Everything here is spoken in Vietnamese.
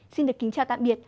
xin được kính chào tạm biệt